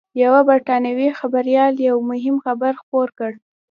یوه بریټانوي خبریال یو مهم خبر خپور کړ